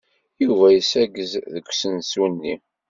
Yuba yessaggez deg usensu-nni.